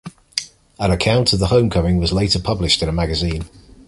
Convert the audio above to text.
An account of the homecoming was later published in a magazine.